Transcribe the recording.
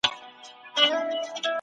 خوب د ژوند کیفیت لوړوي.